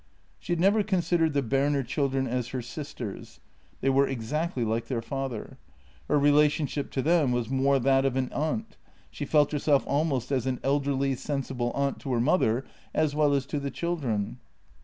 She had never considered the Berner children as her sisters; they were exactly like their father. Her relationship to them was more that of an aunt — she felt herself almost as an elderly, sensible aunt to her mother as well as to the children.